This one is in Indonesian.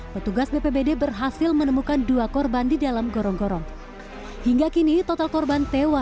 sehingga kabel kita perlu penyedotan supaya ini habis dulu ya airnya ya